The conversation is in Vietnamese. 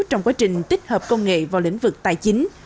trong quá trình tích hợp công nghệ vào lĩnh vực tài chính